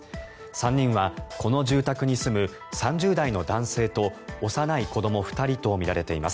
３人はこの住宅に住む３０代の男性と幼い子ども２人とみられています。